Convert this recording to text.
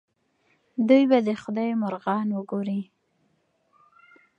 دوی به د خدای مرغان وګوري.